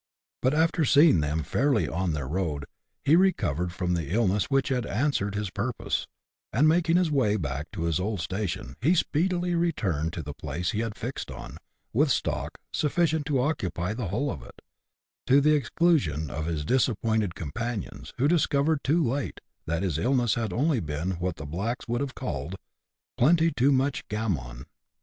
But, after seeing them fairly on their road, he recovered from the illness which had answered his purpose, and, making his way back to his old station, he speedily returned to the place he had fixed on, with stock sufficient to occupy the whole of it, to the exclusion of his disappointed companions, who discovered too late that his illness had only been what the blacks would have called " plenty too much gammon."